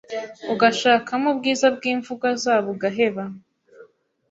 ugashakamo ubwiza bw’imvugo zabo ugaheba,